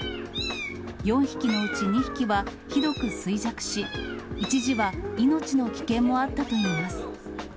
４匹のうち２匹はひどく衰弱し、一時は命の危険もあったといいます。